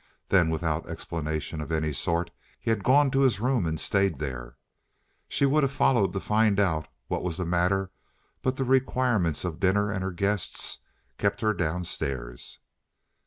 Then, without explanation of any sort, he had gone to his room and stayed there. She would have followed to find out what was the matter, but the requirements of dinner and her guests kept her downstairs.